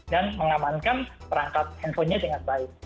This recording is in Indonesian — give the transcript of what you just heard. dan mengamankan perangkat handphonenya dengan baik